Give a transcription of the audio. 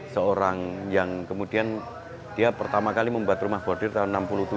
seorang yang kemudian dia pertama kali membuat rumah bordil tahun seribu sembilan ratus enam puluh tujuh